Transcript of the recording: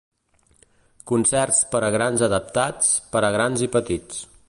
Concerts per a grans adaptats per a grans i petits.